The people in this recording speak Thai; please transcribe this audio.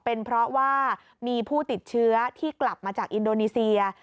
เป็นเพราะว่ามีผู้ติดเชื้อที่กลับมาจากอินโดนีเซีย